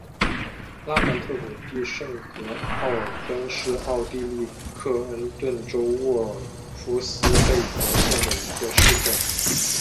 拉凡特谷地圣格奥尔根是奥地利克恩顿州沃尔夫斯贝格县的一个市镇。